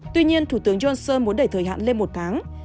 tuy nhiên thủ tướng johnson muốn đẩy thời hạn lên một tháng